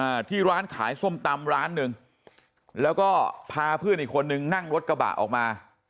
อ่าที่ร้านขายส้มตำร้านหนึ่งแล้วก็พาเพื่อนอีกคนนึงนั่งรถกระบะออกมา